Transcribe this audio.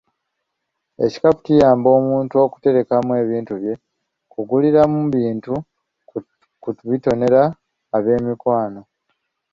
Ekikapu kiyamba omunto okuterekamu bintu bye, kuguliramu bintu, kubitonera abeemikwano.